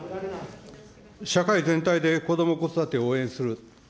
社会全体でこども・子育てを応援すると。